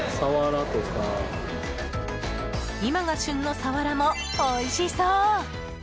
今が旬のサワラもおいしそう！